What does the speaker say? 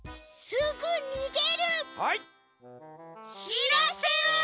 「し」らせる！